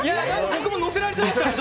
僕も乗せられちゃいました。